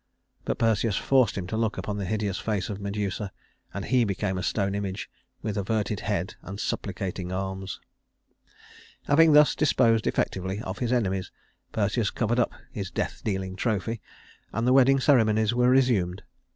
But Perseus forced him to look upon the hideous face of Medusa, and he became a stone image with averted head and supplicating arms. Having thus disposed effectively of his enemies, Perseus covered up his death dealing trophy, and the wedding ceremonies were resumed.